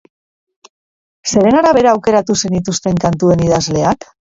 Zeren arabera aukeratu zenituzten kantuen idazleak?